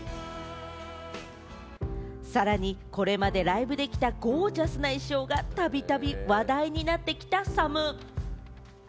さらにこれまで、ライブで着たゴージャスな衣装が度々話題になってきたサム。